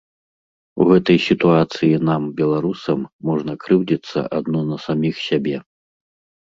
У гэтай сітуацыі нам, беларусам, можна крыўдзіцца адно на саміх сябе!